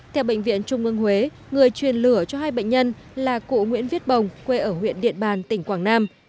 theo bệnh viện trung ương huế người truyền lửa cho hai bệnh nhân là cụ nguyễn viết bồng quê ở huyện điện bàn tỉnh quảng nam